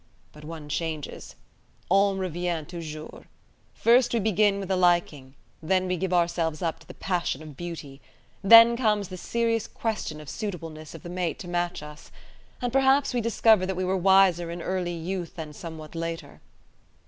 .. But one changes! On revient toujours. First we begin with a liking; then we give ourselves up to the passion of beauty: then comes the serious question of suitableness of the mate to match us; and perhaps we discover that we were wiser in early youth than somewhat later.